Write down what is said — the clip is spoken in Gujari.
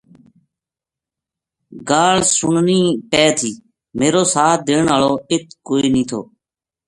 گال سننی پے تھی میرو ساتھ دین ہالو اِت کوئی نیہہ تھو